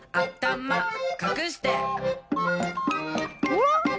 おっ！